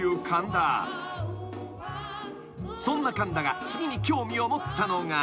［そんな神田が次に興味を持ったのが］